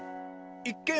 いっけん